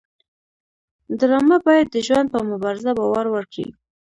ډرامه باید د ژوند په مبارزه باور ورکړي